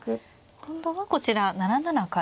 今度はこちら７七から。